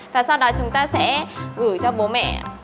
và sau đó chúng ta sẽ gửi cho bố mẹ